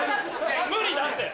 無理だって！